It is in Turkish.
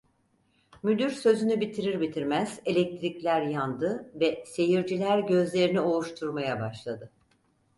Müdür sözünü bitirir bitirmez elektrikler yandı ve seyirciler gözlerini ovuşturmaya başladı.